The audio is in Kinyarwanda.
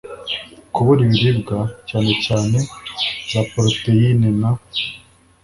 kubura ibiribwa, cyane cyane za poroteyine n